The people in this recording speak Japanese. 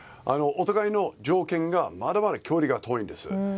お互いの条件がまだまだ距離が遠いんです。